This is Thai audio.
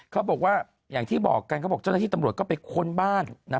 เขาบอกว่าอย่างที่บอกกันเขาบอกเจ้าหน้าที่ตำรวจก็ไปค้นบ้าน